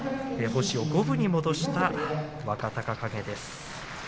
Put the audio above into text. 星を五分に戻した若隆景です。